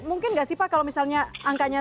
mungkin nggak sih pak kalau misalnya angkanya